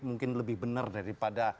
mungkin lebih benar daripada